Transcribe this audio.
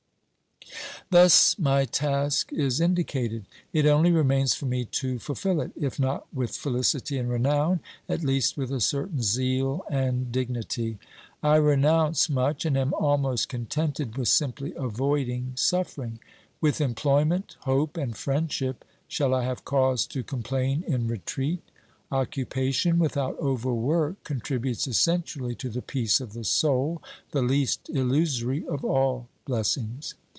Thus my task is indicated. It only remains for me to fulfil it, if not with felicity and renown, at least with a certain zeal and dignity. I renounce much, and am almost contented with simply avoiding suffering. With employment, hope and friendship, shall I have cause to complain in retreat? Occupation without overwork con tributes essentially to the peace of the soul, the least illusory of all blessings.